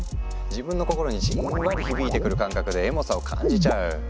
自分の心にじんわり響いてくる感覚でエモさを感じちゃう。